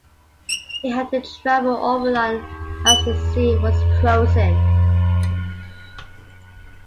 He had to travel overland as the sea was frozen.